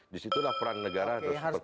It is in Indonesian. di situlah peran negara harus diperkuat